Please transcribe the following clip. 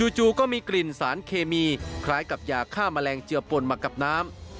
จู่ก็มีกลิ่นสารเคมีคล้ายกับยาฆ่าแมลงเจือปนมากับน้ำ